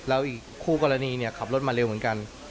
แล้วอีกคู่กรณีขับรถมาเร็วเหมือนกัน